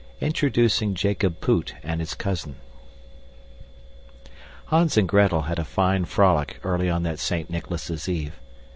Introducing Jacob Poot and His Cousin Hans and Gretel had a fine frolic early on that Saint Nicholas's Eve.